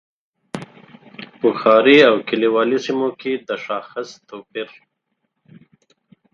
په ښاري او کلیوالي سیمو کې د شاخص توپیر.